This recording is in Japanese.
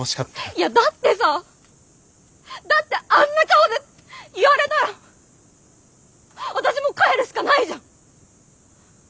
いやだってさだってあんな顔で言われたら私もう帰るしかないじゃん。